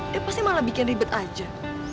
dia pasti malah bikin ribet aja